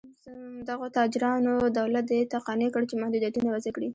دغو تاجرانو دولت دې ته قانع کړ چې محدودیتونه وضع کړي.